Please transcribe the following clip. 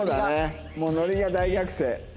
もうノリが大学生。